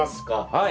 はい。